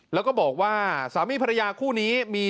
แล้วก็บอกว่าสามีภรรยาคู่นี้มี